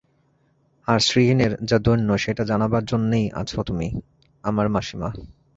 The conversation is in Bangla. আর, শ্রীহীনের যা দৈন্য সেইটে জানাবার জন্যেই আছ তুমি, আমার মাসিমা।